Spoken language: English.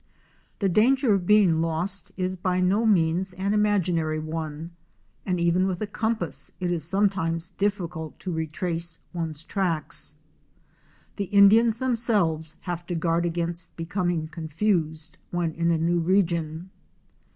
The danger of being lost is by no means an imaginary one, and even with a compass it is sometimes difficult to retrace one's tracks. The Indians themselves have to guard against becoming confused when in a new region.